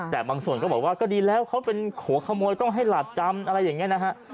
แต่บางส่วนก็บอกว่าก็ดีแล้วเขาเป็นหัวขโมยต้องให้หลาดจำอะไรอย่างนี้นะฮะ